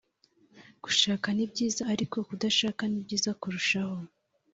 Gushaka ni byiza ariko kudashaka nibyiza kurushaho